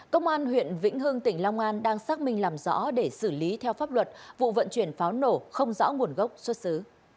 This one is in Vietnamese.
công an huyện vĩnh hưng tỉnh long an đang xác minh làm rõ để xử lý theo pháp luật vụ vận chuyển pháo nổ không rõ nguồn gốc xuất xứ